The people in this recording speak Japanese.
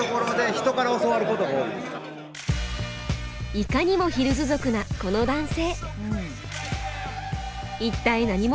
いかにもヒルズ族なこの男性。